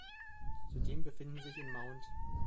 Zudem befinden sich in Mt.